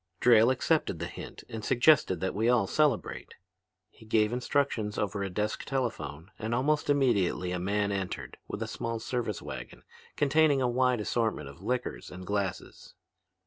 "Drayle accepted the hint and suggested that we all celebrate. He gave instructions over a desk telephone and almost immediately a man entered with a small service wagon containing a wide assortment of liquors and glasses.